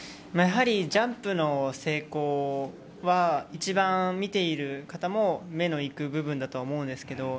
やはりジャンプの成功は一番見ている方も目のいく部分だと思います。